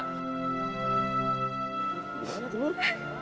gimana tuh lu